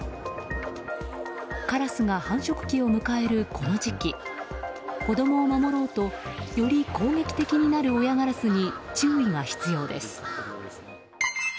カラスが繁殖期を迎えるこの時期子供を守ろうとより攻撃的になる親ガラスに